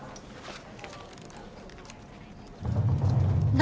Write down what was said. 何？